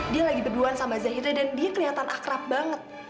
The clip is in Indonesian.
dia lagi berduan sama zahira dan dia keliatan akrab banget